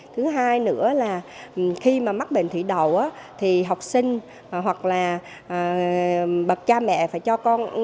thứ hai nữa là khi mà mắc bệnh thủy đồ thì học sinh hoặc là bậc cha mẹ phải cho con